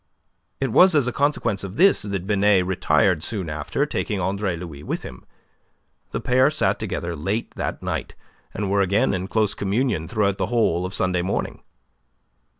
It was as a consequence of this that Binet retired soon after, taking Andre Louis with him. The pair sat together late that night, and were again in close communion throughout the whole of Sunday morning.